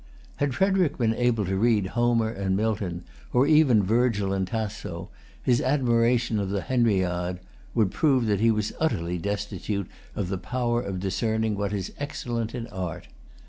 Had Frederic been able to read Homer and Milton, or even Virgil and Tasso,[Pg 254] his admiration of the Henriade would prove that he was utterly destitute of the power of discerning what is excellent in art.